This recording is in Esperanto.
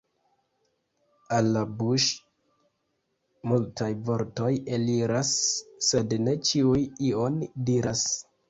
El la buŝ' multaj vortoj eliras, sed ne ĉiuj ion diras.